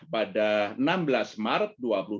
pada enam belas maret dua ribu dua puluh